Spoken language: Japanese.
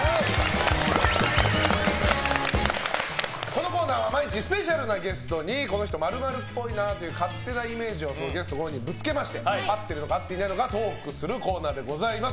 このコーナーは毎日スペシャルなゲストにこの人○○っぽいという勝手なイメージをゲスト本人にぶつけまして合っているのか合っていないのかトークするコーナーでございます。